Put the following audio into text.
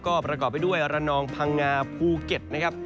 ก็ประกอบไปด้วยระนองพังงาภูเก็ตนะครับ